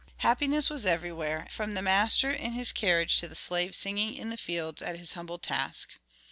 Happiness was everywhere, from the master in his carriage to the slave singing in the fields at his humble task.